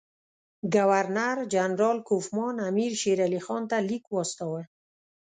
ګورنر جنرال کوفمان امیر شېرعلي خان ته لیک واستاوه.